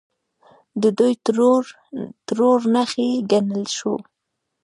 د دوی ټرور نښې ګڼلی شو.